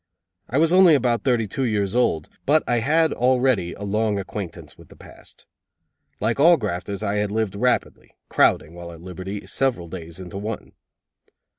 I was only about thirty two years old, but I had already a long acquaintance with the past. Like all grafters I had lived rapidly, crowding, while at liberty, several days into one.